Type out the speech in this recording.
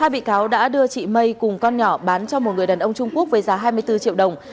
hai bị cáo đã đưa chị mây cùng con nhỏ bán cho một người đàn ông trung quốc với giá hai mươi bốn triệu đồng